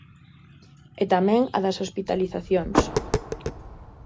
E tamén a das hospitalizacións.